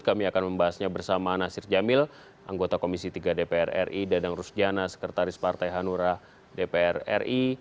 kami akan membahasnya bersama nasir jamil anggota komisi tiga dpr ri dadang rusjana sekretaris partai hanura dpr ri